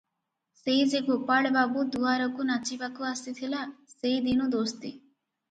ସେଇ ଯେ ଗୋପାଳ ବାବୁ ଦୁଆରକୁ ନାଚିବାକୁ ଆସିଥିଲା, ସେଇ ଦିନୁ ଦୋସ୍ତି ।